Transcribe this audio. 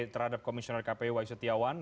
terhadap komisioner kpu y setiawan